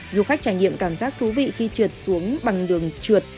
du khách trải nghiệm cảm giác thú vị khi trượt xuống bằng đường trượt